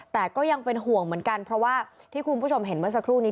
แต่ก็ยังเป็นห่วงเหมือนกันเพราะว่าที่คุณผู้ชมเห็นเมื่อสักครู่นี้